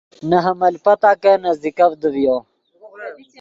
نے حمل پتاکن نزدیکڤدے ڤیو۔